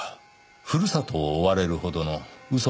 ふるさとを追われるほどの嘘というのは？